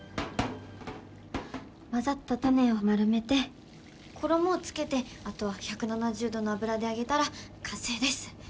交ざったタネを丸めて衣をつけてあとは１７０℃の油で揚げたら完成です。